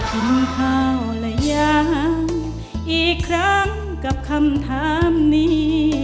กินข้าวละยังอีกครั้งกับคำถามนี้